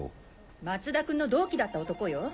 松田君の同期だった男よ。